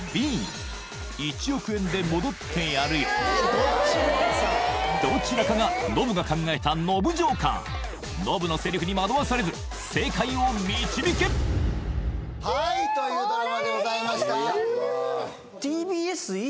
ここでどちらかがノブが考えたノブジョーカーノブのセリフに惑わされず正解を導けはいというドラマでございました